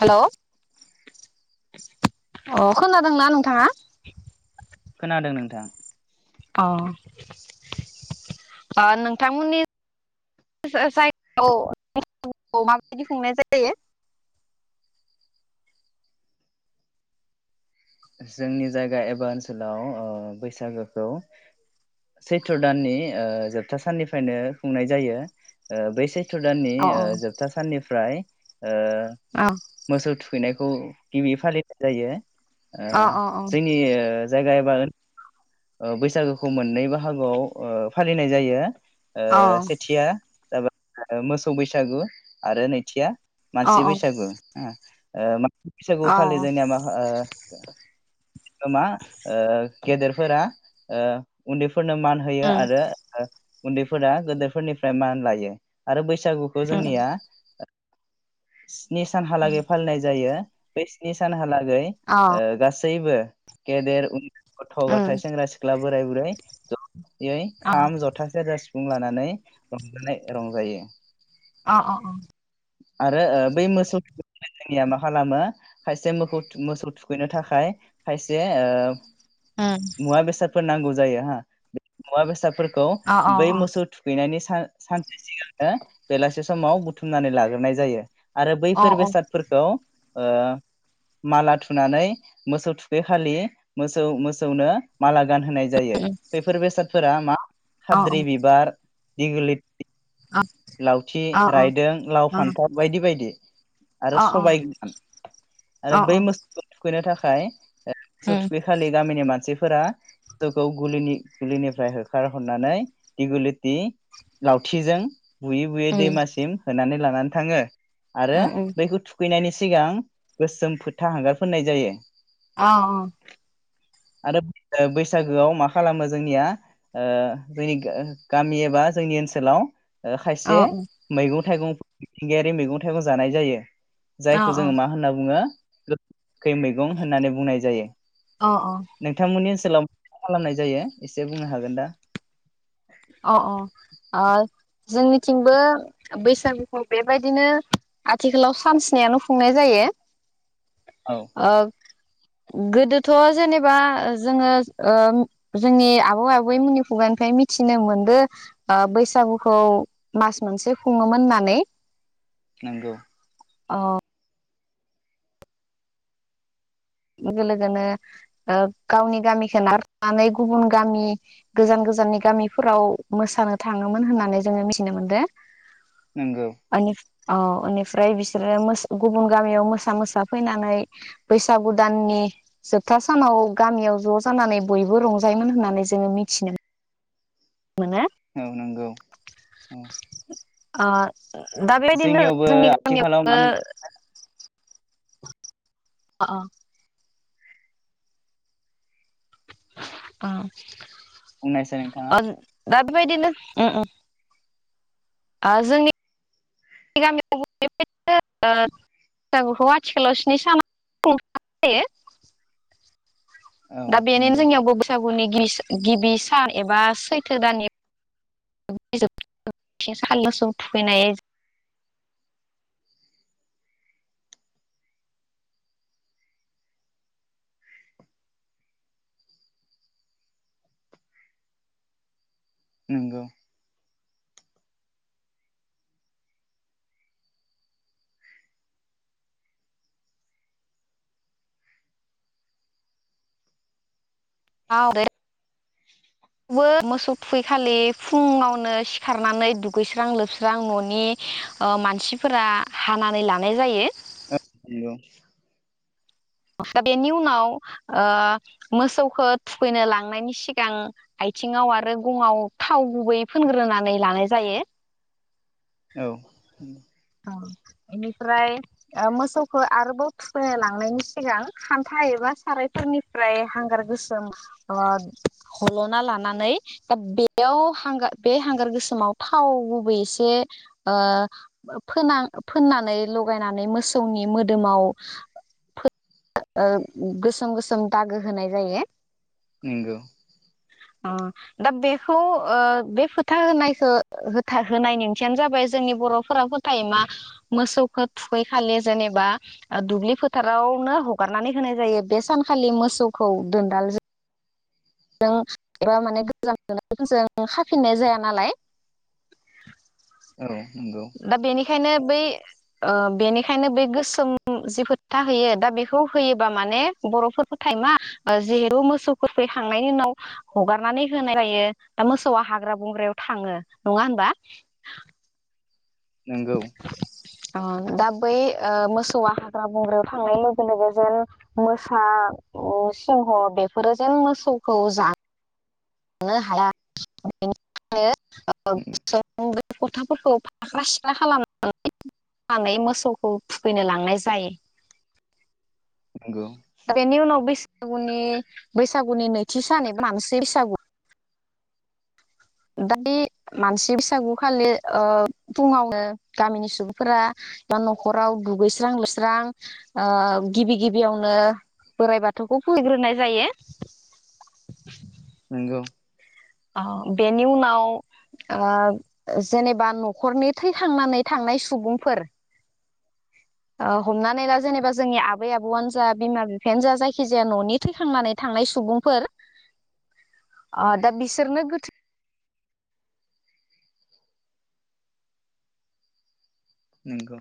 Hello अ खोनादोंना नोंथाङा खोनादों नोंथां अ नोंथांमोननि जायगायाव माबायदि खुंनाय जायो? जोंनि जायगा एबा ओनसोलाव ओ बैसागोखौ सैथ्र दाननि ओ जोबथा साननिफ्रायनो खुंनाय जायो ओ बै सैथ्र थ्र दाननि अ जोबथा साननिफ्राय ओ अ मोसौ थुखैनायखौ खौ गिबि फालिनाय जायो आ अ जोंनि ओ जायगा एबा ओन ओ बैसागोखौ मोननै बाहागोआव फालिनाय जायो। ओ सेथिया जाबाय मोसौ बैसागु आरो नैथिया अ मानसि बैसागु हो ओ मा अ बैसागु खालि जोंनिया मा ओ मा ओ गेदेर फोरा उन्दै फोर फोरनो मान होयो उम आरो उन्दैफोरा गोदोरफोरनिफ्राय मान लायो आरो बैसो बैसागुखौ उम जोंनिया [inaudible] स्नि उम सानहालागै फालिनाय जायो। बे स्नि सानहा ला गै अ ओ गासै बो गेदेर उन्दै गथ' गा थाय उम सेंग्रा सिख्ला बोराय बुरै ज' अ खाम, ज'था, सेरजा, सिफुं सिफुं लानानै रंजानाय रंजायो। अ अ अ आरो ओ बै मोसौ थुखैनो जोंनिया मा खालामो खायसे मोखौ मोसौ थुखैनो थाखाय खायसे ओ मुवा बेसादफोर नांगौ। जायो हा मुवा बेसादफोर खौ अ अ बै मोसौ थुखैनायनि सान - सानसे सिगांनो बेलासे समाव बुथुमनानै ला नाय जायो। आरो बैफोर बेसादफोरखौ ओ माला थुनानै मोसौ थुखै खालि मोसौ मोसौनो माला गान होनाय जायो बेफोर बेसाद फोरा मा हाद्रि बिबार दिगि लावथि रायदों लाव फानथाव बायदि बायदि आरो अ सबाय गोरान आरो अ बै मोसौखौ थुखैनो थाखाय खाय मोसौ उम थुखैखालि गामिनि मानसि फोरनि गुलिनिफ्राय होखारहरनानै दिगुलिति लावथिजों बुयै बुयै उम दैमासिम होनानै लानानै थाङो आरो उम अ बैखौ थुखैनायनि सिगां गोसोम फोथा हांगार फोननाय जायो अ आरो बैसागोआव मा खालामो जोंनिया जोंनि गामि एबा जोंनि ओनसोलाव खायसे मैगं थाइगं मिथिंगायारि मैगं थाइगं जानाय जायो अ अ जायखौ जोङो मा होनना बुङो औ खै मैगं होननानै बुंनाय जायो अ अ नोंथांमोननि ओनसोलाव मा खालामनाय जायो एसे बुंनो हागोन दा अ अ ओ जोंनिथिंबो बैसागुखौ बेबायदिनो आथिखालाव सान स्नियानो खुंनाय जायो औ आ गोदोथ' जेनेबा जोङो जोंनि आबौ आबै मनि खुगानिफ्राय मिथि थिनो मोनदो बैसागुखौ मास मोनसे खुङोमोन होननानै नंगौ औ लोगो लोगोनो गावनि गामिखौ नारथ'नानै गुबुन गामि गोजान गोजाननि गामिफोराव मोसानो थाङोमोन होननानै जोङो मिथिनो मोनदों नंगौ औ बेनिफ्राय बिसोरो गुबुन गामियाव मोसा मोसा फैनानै बै बैसागु दाननि जोबथा सानाव गामियाव ज' जानानै बयबो रंजायोमोन होननानै जोङो मिथिनो मोन मोनो औ नंगौ औ आ दा बेबायदिनो जोंनियावबो जोंनि आथिखालाव मा गामियावबो होनो अ अ बुंनायसाय नोंथाङा दा बेबायदिनो ओम ओम ओ जोंनि गामियाव बैसागुखौ आथिखालाव स्नि सानाव जायो औ दा बेनिनो नंगौ जोंनिआवबो बैसागुनि गिबि सान सान एबा सैथो दाननि बिज [unintelligible] मोसौ थुखैनाय नंगौ बो मोसौ थुखैखालि फुङावनो सिखारनानै दुगैस्रां लोबस्रां न'नि मानसिफोरा हानानै लानाय जायो औ दा बेनि उनाव मोसौखौ थुखैनो लांनायनि सिगां आथिङाव आरो गङाव थाव गुबैयै फुनग्रोनानै लानाय जायो औ बेनिफ्राय मोसौखौ आरोबाव फुखोन लांनायनि सि सिगां खान्था एबा सारायफोरनिफ्राय हांगार गोसोम हल'ना लानानै दा बेयावार बे हांगार गोसोमाव थाव गुबै एसे फोन फोननानै लगायनानै मोसौनि मोदोमाव गोसोम गोसोम दागो होनाय जायो नंगौ अ दा बेखौ ओ बे फोथा होनायखौ होनाय ओंथियानो जाबाय जोंनि बर'फोरा फोथाय मा मोसौखौ थुखै खालि जेनेबा दुब्लि फोथार गावनो हगारनानै होनाय जायो बे सानखालि मोसौखौ दोनदालजों एबा माने गोजान गोजों हाफिननाय जाया नालाय औ नंगौ दा बेनिखायनो बै ओ बेनिखायनो बै गोसोम जि खोथा होयो दा बेखौ होयोबा माने बर'फोरखौ थाइमा जिहेतु मोसौफोर फैखांनायनि उनाव हगारनानै होनाय जायो दा मोसौआ हाग्रा बंग्रायाव थाङो नङा होनबा नोंगौ अ दा बै मोसौआ हाग्रा बंग्रायाव थांनाय लोगो लोगो जेन मोसा सिंह बेफोरो जेन मोसौखौ जानो हाया [unintelligible] गथाफोरखौ फाख्रा सिख्ला खालामनानैनानै मोसौखौ फुगैनो लांनाय जायो नंगौ दा बेनि उनाव बैसागुनि बैसागुनि नैथि सान एबा मानसि बैसागु दा बे मानसि बैसागु खालि फुङावनो गामिनि सुबुंफोरा बा न'खराव दुगैस्रां लुस्रां गिबि गिबियावनो बोराइ बाथौखौ फहैग्रोनाय जायो नंगौ बेनि उनाव जेनेबा न'खरनि थै थांनानै थांनाय सुबुंफोर हमनानै दा जेनेबा जोंनि आबै आबौआनो जा बिमा बिफायानो जा जायखिजाया न'नि थैखांनानै थांनाय सुबुंफोर दा बिसोरनो गोथौ नंगौ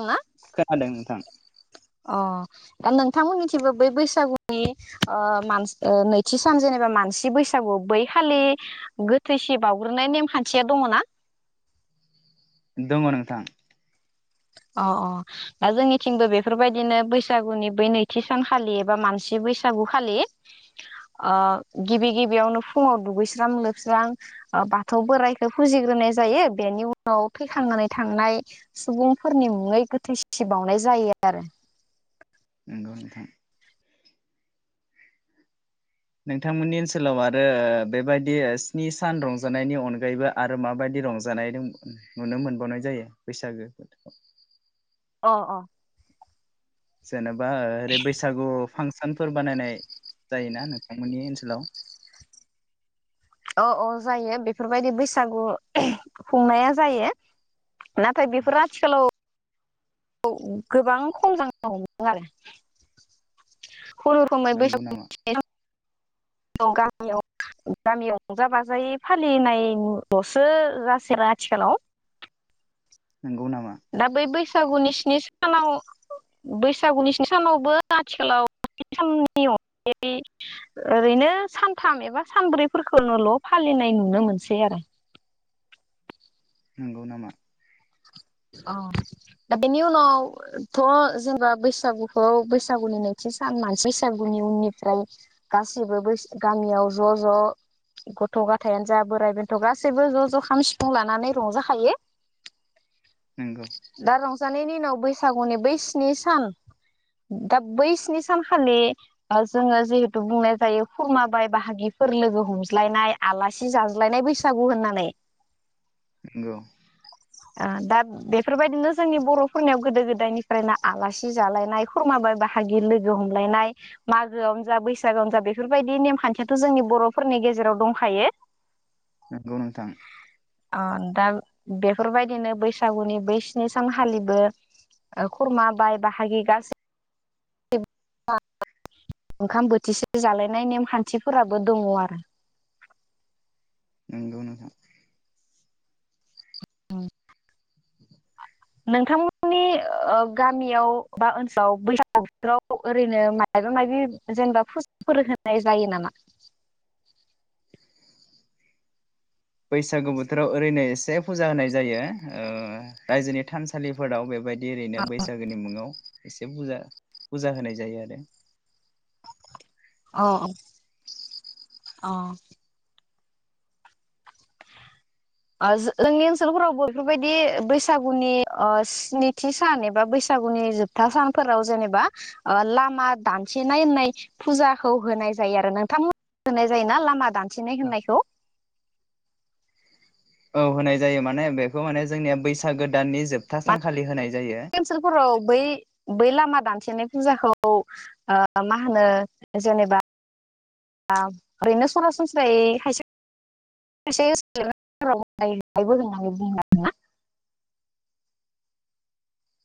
नंआ खोनादों नोंथां अ दा नोंथांमोननिथिंबो बै बैसागुनि मान नैथि सान जेनेबा मानसि बैसागु बै खालि गोथैसि बावउग्रोनाय नेमखान्थिया दङना दङ नोंथां अ अ दा जोंनिथिंबो बेफोरबायदिनो बैसागुनि बै नैथि सानखालि एबा मानसि बैसागु खालि गिबि गिबियावनो फुङाव दुगैस्रां लोबस्रां बाथौ बोराइखौ फुजिग्रोनाय जायो बेनि उनाव थैखांनानै थांनाय सुबुं फोरनि मुङै गोथै सिबावनाय जायो आरो नंगौ नोंथां नोंथांमोननि ओनसोलाव आरो बेबायदि स्नि सान रंजानायनि अनगायैबो आरो माबायदि रंजानाय नुनो मोनबावनाय जायो बैसागो बोथोराव अ अ जेने बा ओरै बैसागु फांसनफोर बानायनाय जायोना नोंथांमोननि ओनसोलाव अ अ जायो बेफोरबायदि बैसागु खुंनाया जायो नाथाय बेफोरो आथिखालाव औ गोबां खम जालांनो हमदों आरो खुनु रोखोमै नंगौ बैसागु नामा [unintelligible] गामियाव गामियाव रंजा बाजायै फालिनायल'सो जासेरा आथिखालाव नंगौ नामा दा बै बैसागुनि स्नि सानाव बैसागुनि स्नि सानावबो आथिखालाव साननि अनगायै ओरैनो सानथाम एबा सानब्रैफोरखौनोल' फालिनाय नुनो मोनसै आरो नंगौ नामा औ दा बेनि उनावथ' जोंबा बैसागुखौ बैसागुनि नैथि सान मान बैसागुनि उननिफ्राय गासैबो गामियाव ज' ज' गथ' गथायानो जा बोराइ बेन्थ' गासैबो ज' ज' खाम सिफुं लानानै रंजाखायो। नंगौ दा रंजानायनि उनाव बै बैसागुनि बै स्नि सान दा बै स्नि सानखालि जोङो जिहेथु बुंनाय जायो खुरमाबाय बाहागिफोर लोगो हमज्लायनाय आलासि जाज्लायनाय बैसागु होननानै नंगौ ओ दा बेफोरबायदिनो जोंनि बर'फोरनियाव गोदो गोदायनिफ्रायनो आलासि जालायनाय खुरमा बाय बाहागि लोगो हमलायनाय मागोआवनो जा बैसागोआवनो जा बेफोरबायदि नेमखान्थियाथ' जोंनि बर'फोरनि गेजेराव दंखायो। नंगौ नोंथां दा बेफोरबायदिनो बैस बैसागुनि बै स्नि सान खालिबो खुरमा बाय बाहागि गासै ओंखाम बोथिसे जालायनाय नेमखान्थिफोराबो दङ आरो नोंगौ नोंथां नोंथांमोननि ओ गामियाव बा ओनसोलाव बैसागु बोथोराव ओरैनो मायबा माबि जेनेबा फुजाफोर होनाय जायो नामा? बैसागु बोथोराव ओरैनो एसे फुजा होनाय जायो ओ रायजोनि थानसालिफोराव बेबायदि ओरैनो बैसागोनि मुङाव एसे पुजा पुजा होनाय जायो आरो औ अ जोंनि ओनसोलफोरावबो बेफोरबायदि बैसागुनि ओ स्निथि सान एबा बैसागुनि जोबथा सानफोराव जेनेबा ओ लामा दानथिनाय होननाय फुजाखौ होनाय जायो आरो नोंथांमोन होनाय जायोना लामा दानथिनाय होननायखौ? औ होनाय जायो माने बेखौ माने जोंनिया बैसागो दाननि जोबथा माने सानखालि होनाय जायो ओनसोलफोराव बै बै लामा दानथेनाय फुजाखौ मा ओ होनो जेनेबा ओरैनो सरासनस्रायै खायसे खायसेबो होननानै बुंङो आरो